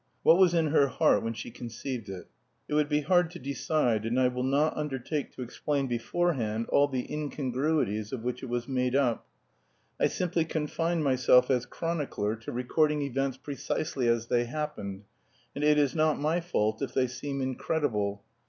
What was in her heart when she conceived it? It would be hard to decide and I will not undertake to explain beforehand all the incongruities of which it was made up. I simply confine myself as chronicler to recording events precisely as they happened, and it is not my fault if they seem incredible.